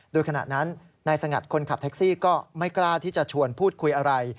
โดยขณะนั้นนายสงัดคนขับแท็กซี่ก็ไม่กล้าที่จะชวนพูดคุยอะไร